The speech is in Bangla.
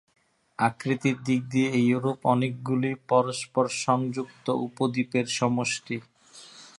আকৃতির দিক থেকে ইউরোপ অনেকগুলি পরস্পর সংযুক্ত উপদ্বীপের সমষ্টি।